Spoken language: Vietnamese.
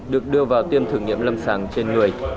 được đưa vào tiêm thử nghiệm lâm sàng trên người